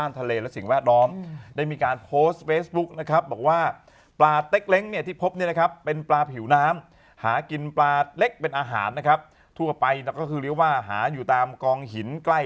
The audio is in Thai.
คนเราไม่น่าจะไปเซ่นผมบางภูเขาไง